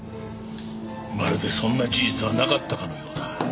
まるでそんな事実はなかったかのようだ。